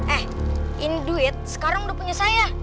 eh ini duit sekarang udah punya saya